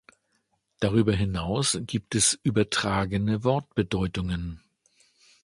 Darüber hinaus gibt es übertragene Wortbedeutungen.